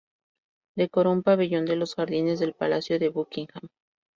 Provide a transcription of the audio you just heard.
Decoró un pabellón de los jardines del palacio de Buckingham.